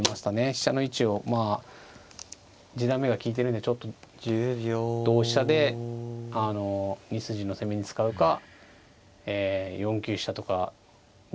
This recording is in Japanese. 飛車の位置をまあ一段目が利いてるんでちょっと同飛車であの２筋の攻めに使うか４九飛車とか逃げたらまあ